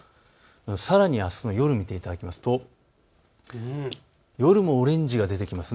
さらにあすの夜を見ていただきますと夜もオレンジが出てきます。